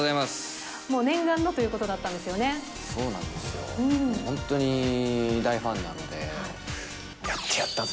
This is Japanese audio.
もう念願のということだったそうなんですよ、本当に大ファンなので、やってやったぜ！